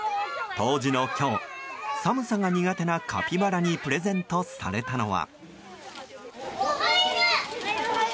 冬至の今日寒さが苦手なカピバラにプレゼントされたのは。